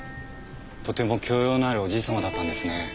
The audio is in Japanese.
とても教養のあるおじいさまだったんですね。